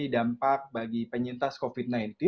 dampak bagi penyintas covid sembilan belas